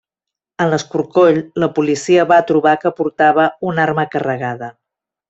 En l'escorcoll la policia va trobar que portava una arma carregada.